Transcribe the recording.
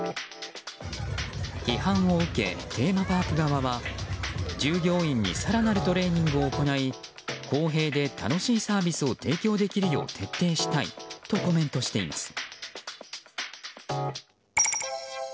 批判を受けテーマパーク側は従業員に更なるトレーニングを行い公平で楽しいサービスを提供できるよう徹底したいとコメントしています。